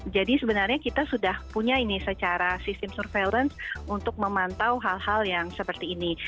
jadi sebenarnya kita sudah punya ini secara sistem surveillance untuk memantau hal hal yang seperti ini